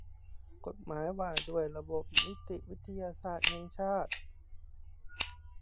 กฎหมายว่าด้วยระบบนิติวิทยาศาสตร์แห่งชาติ